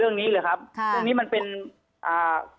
คุณเอกวีสนิทกับเจ้าแม็กซ์แค่ไหนคะ